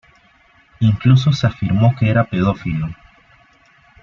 Incluso se afirmó que era pedófilo.